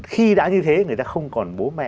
khi đã như thế người ta không còn bố mẹ